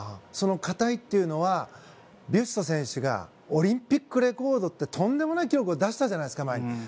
その硬いというのはビュスト選手がオリンピックレコードというとんでもない記録を出したじゃないですか、前に。